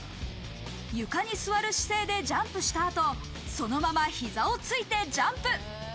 床に座る姿勢でジャンプした後、そのまま膝をついてジャンプ。